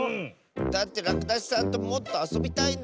だってらくだしさんともっとあそびたいんだもん！